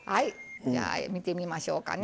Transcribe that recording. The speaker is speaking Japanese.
じゃあ見てみましょうかね。